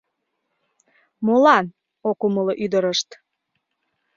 — Молан? — ок умыло ӱдырышт.